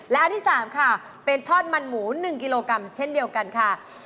และอันที่๓ค่ะเป็นทอดมันหมู๑กิโลกรัมเช่นเดียวกันค่ะ